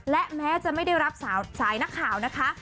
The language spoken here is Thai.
และแม้จะไม่ได้รับสายนักข่าวนะคะ